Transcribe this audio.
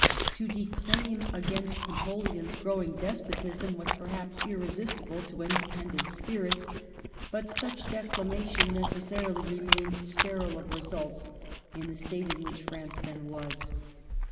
To declaim against Napoleon's growing despotism was perhaps irresistible to indepen dent spirits; but such declamation necessarily remained sterile of results in the state in which France then was.